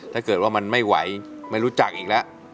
ถ้าเกิดว่ามันไม่ไหวไม่รู้จักอีกแล้ว